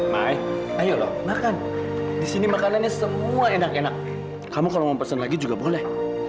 hai mai ayo makan di sini makanannya semua enak enak kamu kalau mau pesan lagi juga boleh